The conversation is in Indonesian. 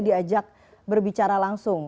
diajak berbicara langsung